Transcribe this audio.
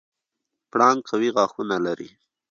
پړانګ قوي غاښونه لري.